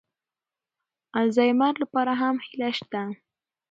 الزایمر لپاره هم هیله شته.